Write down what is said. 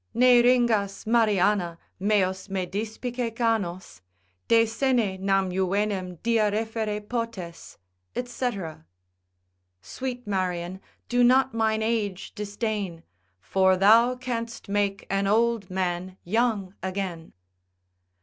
Ne ringas Mariana, meos me dispice canos, De sene nam juvenem dia referre potes, &c. Sweet Marian do not mine age disdain, For thou canst make an old man young again.